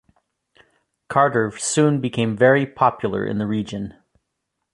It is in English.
Carter soon became very popular in the region.